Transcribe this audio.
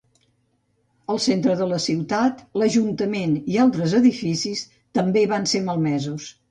El centre de ciutat, l'ajuntament i altres edificis també van ser malmesos.